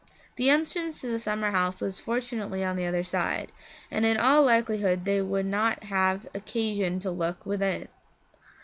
The entrance to the summer house was fortunately on the other side, and in all likelihood they would not have occasion to look within.